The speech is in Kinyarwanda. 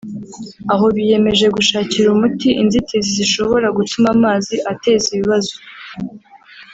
aho biyemeje gushakira umuti inzitizi zishobora gutuma amazi ateza ibibazo